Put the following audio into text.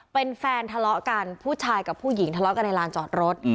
เป็นแฟนทะเลาะกันผู้ชายกับผู้หญิงทะเลาะกันในลานจอดรถ